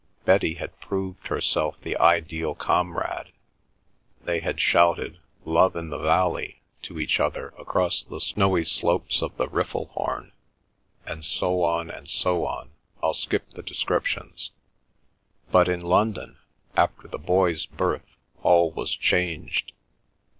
Betty had proved herself the ideal comrade. ... They had shouted Love in the Valley to each other across the snowy slopes of the Riffelhorn' (and so on, and so on—I'll skip the descriptions). ... 'But in London, after the boy's birth, all was changed.